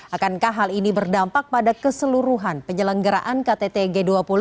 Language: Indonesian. akankah hal ini berdampak pada keseluruhan penyelenggaraan ktt g dua puluh